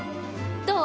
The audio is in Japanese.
どう？